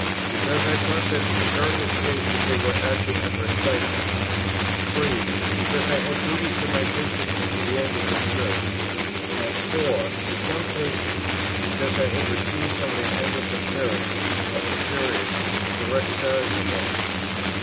because I thought that in various cases they were acting under excitement; 3. because I had duties to my Bishop and to the Anglican Church; and 4, in some cases, because I had received from their Anglican parents or superiors direct charge of them.